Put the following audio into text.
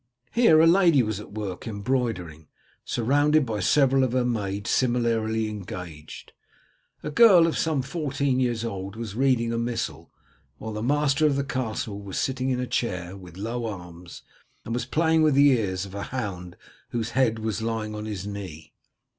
Here a lady was at work embroidering, surrounded by several of her maids similarly engaged. A girl some fourteen years old was reading a missal, while the master of the castle was sitting in a chair with low arms, and was playing with the ears of a hound whose head was lying on his knee.